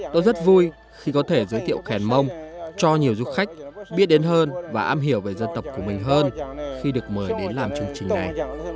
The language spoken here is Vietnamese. tôi rất vui khi có thể giới thiệu khèn mông cho nhiều du khách biết đến hơn và am hiểu về dân tộc của mình hơn khi được mời đến làm chương trình này